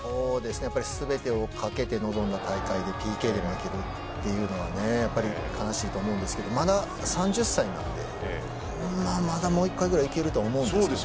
全てをかけて臨んだ大会でＰＫで負けるっていうのは悲しいと思うんですがまだ３０歳なのでもう１回くらいいけると思うんですけど。